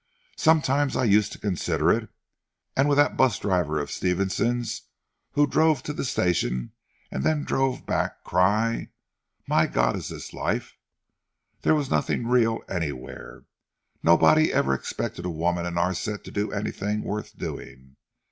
Sometimes I used to consider it, and with that bus driver of Stevenson's who drove to the station and then drove back, cry 'My God is this life!' There was nothing real anywhere. Nobody ever expected a woman in our set to do anything worth doing."